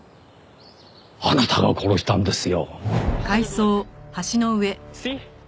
あなたが殺したんですよ。